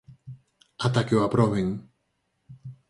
Ata que o aproben.